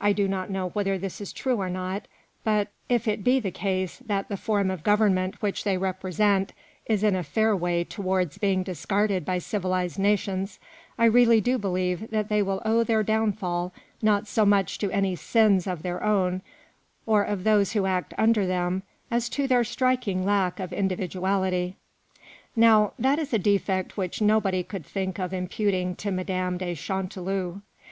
I do not know whether this is true or not ; but if it be the case that the form of government which they represent is in a fair way towards being discarded by civilized nations, I really do believe that they will owe their downfall not so much to any sins of their own, or of those who act under them, as to their striking lack of individuality. Now, that is a defect which nobody could think of imputing to Madame de Chanteloup.